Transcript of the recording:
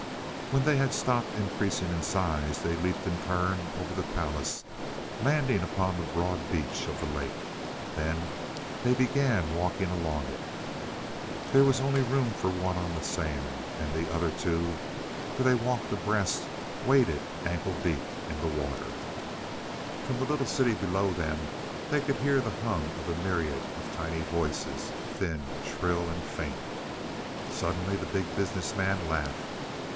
When they had stopped increasing in size, they leaped in turn over the palace, landing upon the broad beach of the lake. Then they began walking along it. There was only room for one on the sand, and the other two, for they walked abreast, waded ankle deep in the water. From the little city below them they could hear the hum of a myriad of tiny voices thin, shrill and faint. Suddenly the Big Business Man laughed.